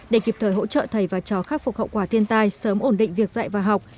để kịp thời hỗ trợ thầy và chó khắc phục hậu quả thiên tai sớm ổn định việc dạy và học